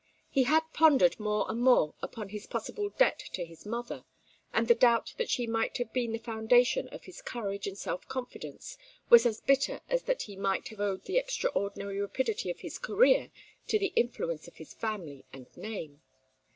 He had pondered more and more upon his possible debt to his mother; and the doubt that she might have been the foundation of his courage and self confidence was as bitter as that he might have owed the extraordinary rapidity of his career to the influence of his family and name.